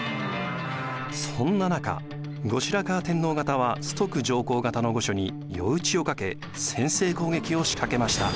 そんな中後白河天皇方は崇徳上皇方の御所に夜討ちをかけ先制攻撃を仕掛けました。